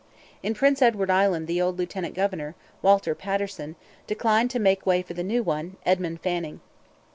In Prince Edward Island the old lieutenant governor, Walter Patterson, declined to make way for the new one, Edmund Fanning.